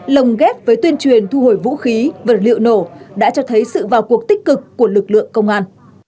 lồng ghép với tuyên truyền thu hồi vũ khí vật liệu nổ đã cho thấy sự vào cuộc tích cực của lực lượng công an